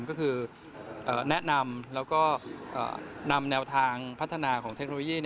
ก็คือแนะนำแล้วก็นำแนวทางพัฒนาของเทคโนโลยี